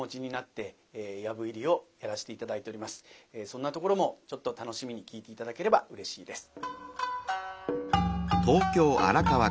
そんなところもちょっと楽しみに聴いて頂ければうれしいです。